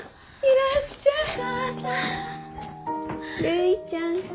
るいちゃん。